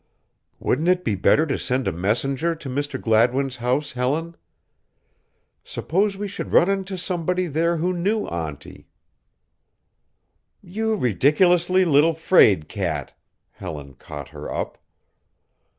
"Wouldn't it be better to send a messenger to Mr. Gladwin's house, Helen? Suppose we should run into somebody there who knew auntie?" "You ridiculously little fraid cat," Helen caught her up.